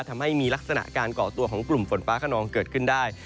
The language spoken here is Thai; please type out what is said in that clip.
ทำให้มีลักษณะการก่อตัวของกลุ่มฝนฟ้าขนองเกิดขึ้นได้